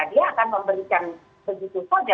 dia akan memberikan begitu saja